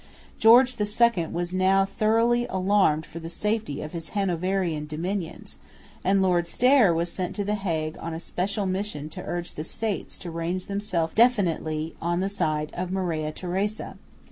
George II was now thoroughly alarmed for the safety of his Hanoverian dominions; and Lord Stair was sent to the Hague on a special mission to urge the States to range themselves definitely on the side of Maria Theresa.